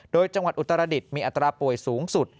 โดยจังหวัดอุตรดิษฐ์มีอัตราป่วยสูงสุด